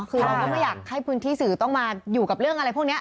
คือเราก็ไม่อยากให้พื้นที่สื่อต้องมาอยู่กับเรื่องอะไรพวกนี้